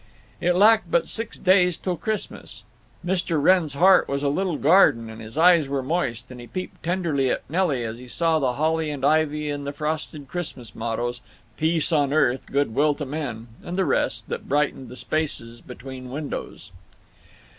It lacked but six days till Christmas. Mr. Wrenn's heart was a little garden, and his eyes were moist, and he peeped tenderly at Nelly as he saw the holly and ivy and the frosted Christmas mottoes, "Peace on Earth, Good Will to Men," and the rest, that brightened the spaces between windows.